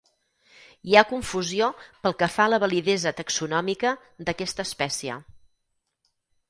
Hi ha confusió pel que fa a la validesa taxonòmica d'aquesta espècie.